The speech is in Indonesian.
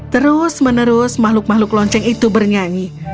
terus menerus makhluk makhluk lonceng itu bernyanyi